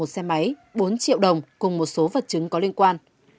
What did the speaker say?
một xe máy bốn triệu đồng cùng một số vật chứng có liên quan